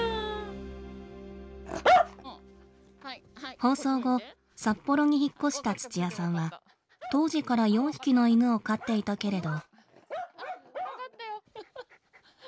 放送後札幌に引っ越した土屋さんは当時から４匹の犬を飼っていたけれど。